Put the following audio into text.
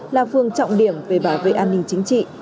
là phương trọng điểm về bảo vệ an ninh chính trị